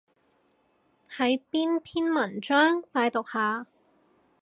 係邊篇文章？拜讀下